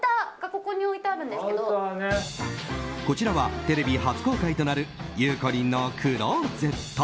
こちらはテレビ初公開となるゆうこりんのクローゼット。